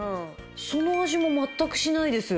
その味も全くしないです。